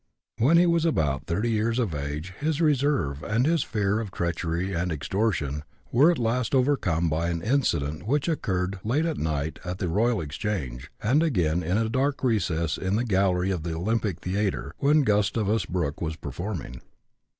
When he was about 30 years of age his reserve, and his fear of treachery and extortion, were at last overcome by an incident which occurred late at night at the Royal Exchange, and again in a dark recess in the gallery of the Olympic Theater when Gustavus Brooke was performing.